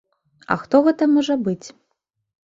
А хто гэта можа быць?